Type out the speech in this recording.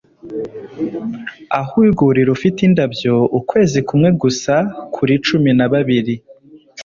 Aho urwuri rufite indabyo ukwezi kumwe gusa kuri cumi na babiri